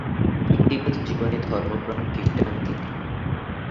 ব্যক্তিগত জীবনে ধর্মপ্রাণ খ্রিস্টান তিনি।